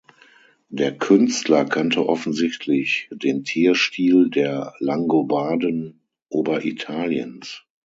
Der Künstler kannte offensichtlich den Tierstil der Langobarden Oberitaliens.